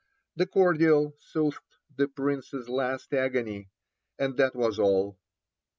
The cordial soothed the Prince's last agony, and that was all.